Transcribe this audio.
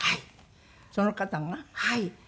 はい。